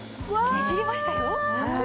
ねじりましたよ。